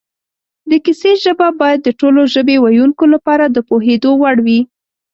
د کیسې ژبه باید د ټولو ژبې ویونکو لپاره د پوهېدو وړ وي